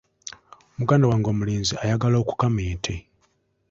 Muganda wange omulenzi ayagala okukama ente.